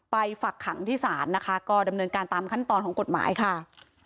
ฝักขังที่ศาลนะคะก็ดำเนินการตามขั้นตอนของกฎหมายค่ะ